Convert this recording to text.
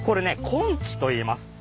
コンチといいます。